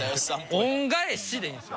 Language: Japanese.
「恩返し」でいいんですよ。